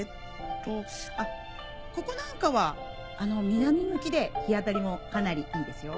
あっここなんかは南向きで日当たりもかなりいいですよ。